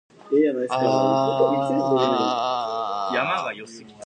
The current president of the party is Ramush Haradinaj.